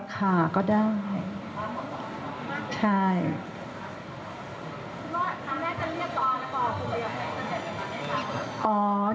คุณบอสคุณแม่จะเรียกต่อหรือบอกส่วนเดียวคุณแม่จะเรียกต่อหรือบอกส่วนเดียว